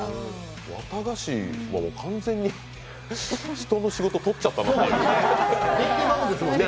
わたがしは完全に人の仕事、とっちゃったなという。